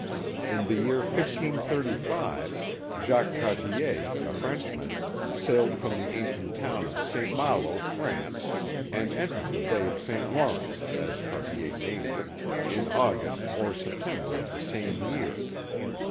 In the year 1535 Jacques Cartier, a Frenchman, sailed from the ancient town of St. Malo, France, and entered the bay of St. Lawrence, as Cartier named it, in August or September of the same year.